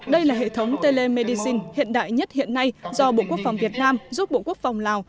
đây là hệ thống telemedicine hiện đại nhất hiện nay do bộ quốc phòng việt nam giúp bộ quốc phòng lào